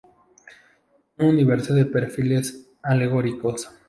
Un universo de perfiles alegóricos.